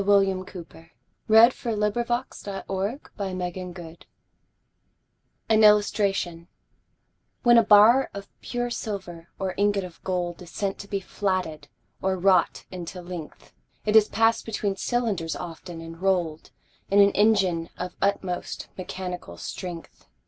William Cowper The Flatting Mill An Illustration WHEN a bar of pure silver or ingot of gold Is sent to be flatted or wrought into length, It is pass'd between cylinders often, and roll'd In an engine of utmost mechanical strength.